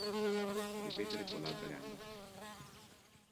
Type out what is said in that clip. Ripetere con l'altra gamba.